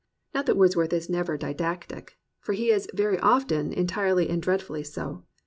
Not that Wordsworth is never didactic; for he is very often entirely and dreadfully so.